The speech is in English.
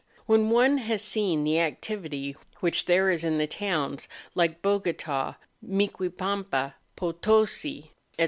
When one has seen the activity which there is in towns like Bogota, Micuipampa, Potosi, &c.